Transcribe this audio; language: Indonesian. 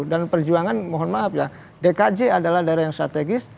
dan perjuangan mohon maaf ya dkj adalah daerah yang strategis